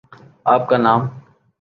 آپ کا نام؟